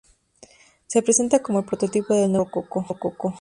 Se presenta como el prototipo del nuevo gusto rococó.